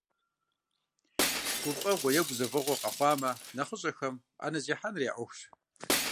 Гуфӏэгъуэ е гузэвэгъуэ къэхъуамэ, нэхъыщӏэхэм, ӏэнэ зехьэныр я ӏуэхущ.